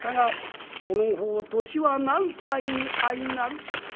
「その方年は何歳にあいなる？」。